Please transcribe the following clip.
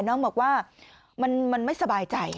น้องบอกว่ามันไม่สบายใจ